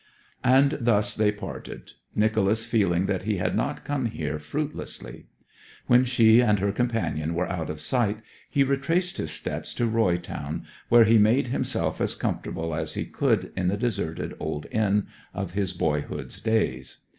And thus they parted, Nicholas feeling that he had not come here fruitlessly. When she and her companion were out of sight he retraced his steps to Roy Town, where he made himself as comfortable as he could in the deserted old inn of his boyhood's days.